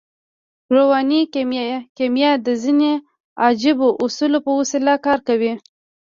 رواني کیمیا د ځينو عجیبو اصولو په وسیله کار کوي